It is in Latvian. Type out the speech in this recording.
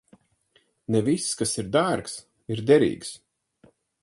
Ne viss, kas ir dārgs, ir derīgs.